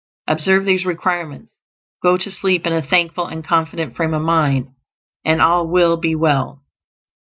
Observe these requirements, go to sleep in a thankful and confident frame of mind, and all will be well.